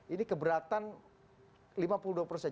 ini keberatan lima puluh dua persen